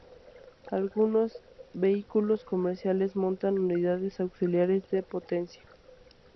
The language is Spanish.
Algunos vehículos comerciales montan unidades auxiliares de potencia.